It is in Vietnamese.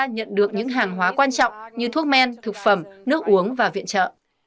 nhận được những hàng hóa quan trọng như thuốc men thực phẩm nước uống và viện trợ